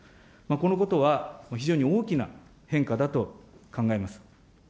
このことは非常に大きな変化だと考えます。